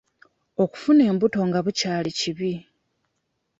Okufuna embuto nga bukyali kibi.